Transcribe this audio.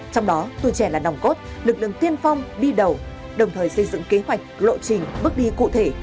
trong đó tuổi trẻ là nòng cốt lực lượng tiên phong đi đầu đồng thời xây dựng kế hoạch lộ trình bước đi cụ thể